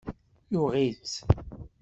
Yuɣ-itt.